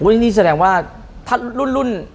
นี่แสดงว่าถ้ารุ่น